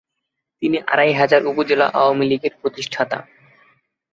তিনি আড়াইহাজার উপজেলা আওয়ামীলীগের প্রতিষ্ঠাতা।